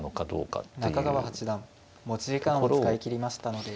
ここで中川八段が持ち時間を使い切りました。